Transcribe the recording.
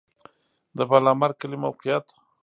د بالامرګ کلی موقعیت